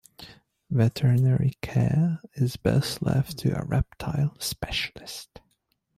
Veterinary care is best left to a reptile specialist.